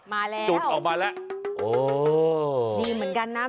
มาแล้วจุดออกมาแล้วโอ้ดีเหมือนกันนะ